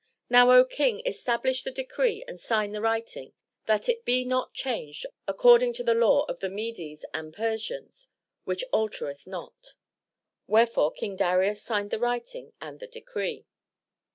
Now, O King, establish the decree, and sign the writing, that it be not changed, according to the law of the Medes and Persians, which altereth not." Wherefore King Darius signed the writing and the decree.